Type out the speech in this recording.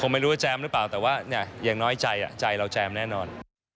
ไม่รู้ว่าแจมหรือเปล่าแต่ว่าอย่างน้อยใจใจเราแจมแน่นอน